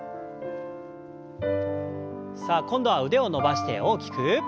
さあ今度は腕を伸ばして大きく。